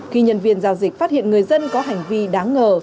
khi nhân viên giao dịch phát hiện người dân có hành vi đáng ngờ